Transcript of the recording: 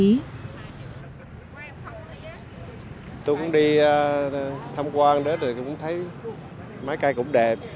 tôi cũng đi thăm quan đến rồi cũng thấy mái cây cũng đẹp